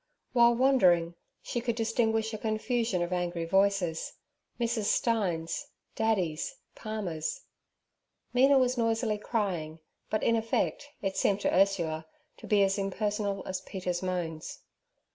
While wondering, she could distinguish a confusion of angry voices—Mrs. Stein's, Daddy's, Palmer's. Mina was noisily crying, but, in effect, it seemed to Ursula to be as impersonal as Peter's moans.